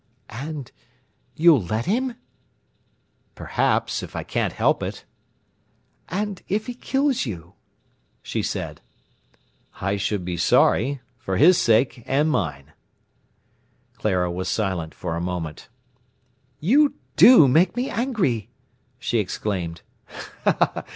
"And you'll let him?" "Perhaps, if I can't help it." "And if he kills you?" she said. "I should be sorry, for his sake and mine." Clara was silent for a moment. "You do make me angry!" she exclaimed.